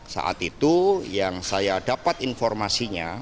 saat itu yang saya dapat informasinya